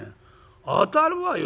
「当たるわよ。